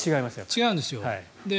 違うんですよ。